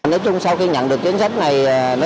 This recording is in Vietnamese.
nói chung sau khi nhận được chiến sách này